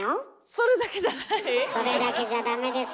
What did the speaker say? それだけじゃダメです。